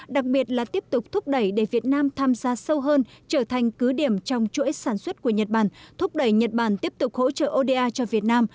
đặc biệt là tiếp tục thúc đẩy để việt nam tham gia sâu hơn trở thành cứ điểm trong chuỗi sản xuất của nhật bản thúc đẩy nhật bản tiếp tục hỗ trợ oda cho việt nam